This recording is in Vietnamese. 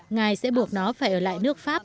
ngài sẽ buộc nó phải ở lại nước pháp